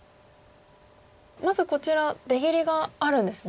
まずこちら出切りがあるんですね。